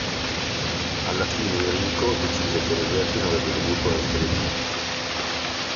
Alla fine Enrico decise che l'esercito avrebbe dovuto essere diviso.